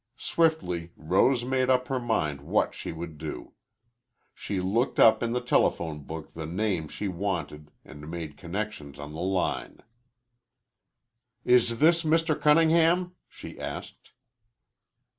Swiftly Rose made up her mind what she would do. She looked up in the telephone book the name she wanted and made connections on the line. "Is this Mr. Cunningham?" she asked.